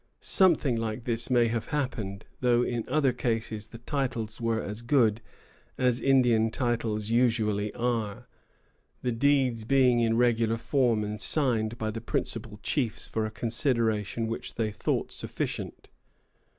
Something like this may have happened; though in other cases the titles were as good as Indian titles usually are, the deeds being in regular form and signed by the principal chiefs for a consideration which they thought sufficient.